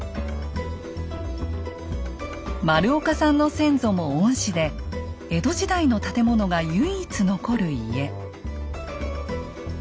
丸岡さんの先祖も御師で江戸時代の建物が唯一残る家。